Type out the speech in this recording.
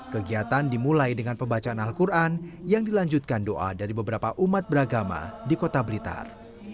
kegiatan dimulai dengan pembacaan al quran yang dilanjutkan doa dari beberapa umat beragama di kota blitar